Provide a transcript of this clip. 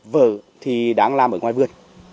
vợ thì đang làm ở ngoài vườn